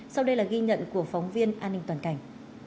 sau đây là ghi nhận của phóng viên an ninh toàn cảnh